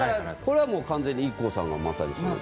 これはもう完全にＩＫＫＯさんがまさに。